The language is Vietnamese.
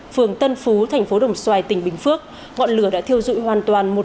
phường tân phú thành phố đồng xoài tỉnh bình phước ngọn lửa đã thiêu dụi hoàn toàn